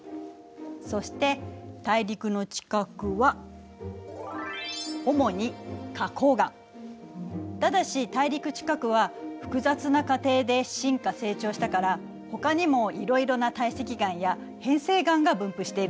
そして大陸の地殻はおもにただし大陸地殻は複雑な過程で進化成長したからほかにもいろいろな堆積岩や変成岩が分布しているの。